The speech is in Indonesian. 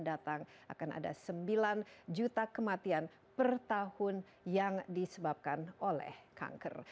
datang akan ada sembilan juta kematian per tahun yang disebabkan oleh kanker